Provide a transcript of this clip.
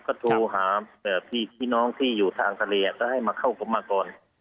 ก็โทรหาพี่น้องที่อยู่ทางทะเลก็ให้มาเข้าผมมาก่อน